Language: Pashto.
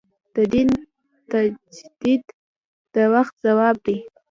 د دین تجدید د وخت ځواب دی.